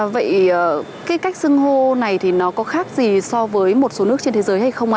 vậy cái cách sưng hô này thì nó có khác gì so với một số nước trên thế giới hay không ạ